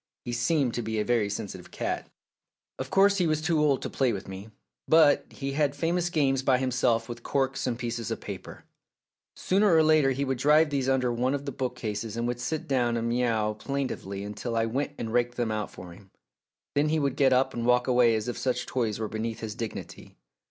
He seemed to be a very sensi tive cat. Of course he was too old to play with me, but he had famous games by himself with corks and pieces of paper. Sooner or later he would drive these under one of the book cases, and would sit down and mew plain 13 178 THE DAY BEFORE YESTERDAY lively until I went and raked them out for him. Then he would get up and walk away as if such toys were beneath his dignity.